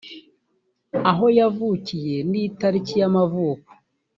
aho yavukiye n’itariki y’amavuko